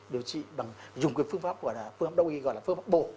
điều trị bằng dùng cái phương pháp đồng ý gọi là phương pháp bổ